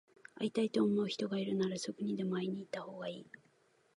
会いたいと思う人がいるなら、すぐにでも会いに行ったほうがいい。